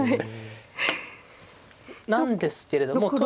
なんですけれども。